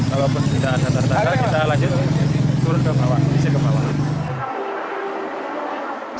walaupun kita asal asal kita lanjut turun ke bawah bisa ke bawah